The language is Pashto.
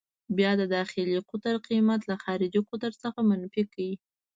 بیا د داخلي قطر قېمت له خارجي قطر څخه منفي کړئ.